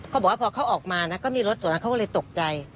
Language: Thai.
เขาบอกว่าพอเขาออกมานะก็มีรถส่วนนั้นเขาก็เลยตกใจ